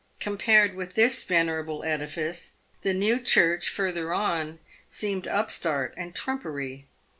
Compared with this venerable edifice, the New Church further on seemed upstart and trumpery.